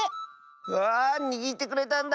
うわあにぎってくれたんだ！